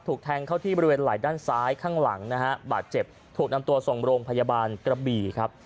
ถูกแทงเข้าที่บริเวณไหล่ด้านซ้ายข้างหลังนะฮะบาดเจ็บถูกนำตัวส่งโรงพยาบาลกระบี่ครับ